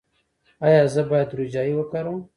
ایا زه باید روجايي وکاروم؟